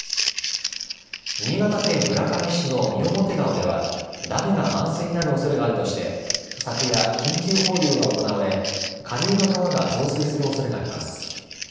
新潟県村上市の三面川ではダムが満水になるおそれがあるとして昨夜、緊急放流が行われ下流の川が増水するおそれがあります。